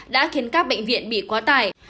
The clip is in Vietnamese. đã khiến các bệnh viện bị quá tải